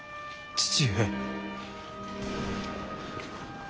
父上。